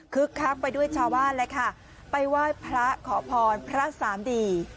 คักไปด้วยชาวบ้านเลยค่ะไปไหว้พระขอพรพระสามดี